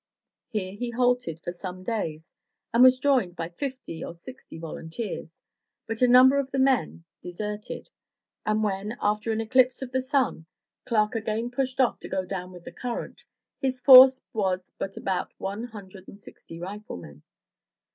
Here he halted for some days and was joined by fifty or sixty volunteers, but a number of the men de serted, and when, after an eclipse of the sun, Clark again pushed off to go down with the current, his force was but about one hundred and sixty riflemen.